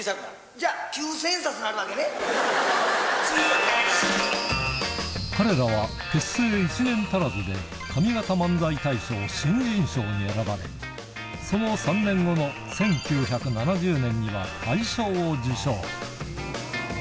じゃあ、九千円札になるわけ彼らは、結成１年足らずで上方漫才大賞新人賞に選ばれ、その３年後の１９７０年には、大賞を受賞。